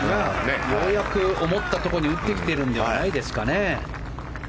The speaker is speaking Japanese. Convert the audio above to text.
ようやく思ったところに打ってきているんじゃないですかね。